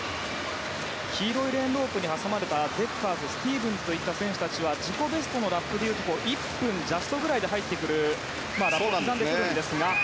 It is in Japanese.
黄色いレーンロープに挟まれた、デッカーズスティーブンスといった選手たちは自己ベストのラップでいうと１分ジャストくらいでラップを刻んでくるんですが。